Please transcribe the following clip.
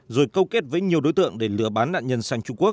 rồi câu kết với nhiều đối tượng để lừa bán nạn nhân sang trung quốc